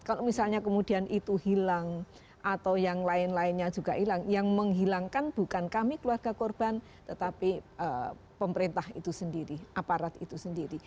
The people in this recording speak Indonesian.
kalau misalnya kemudian itu hilang atau yang lain lainnya juga hilang yang menghilangkan bukan kami keluarga korban tetapi pemerintah itu sendiri aparat itu sendiri